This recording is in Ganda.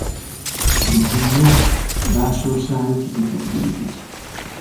Mu kinnya basoosaayo kiti kya jjirikiti.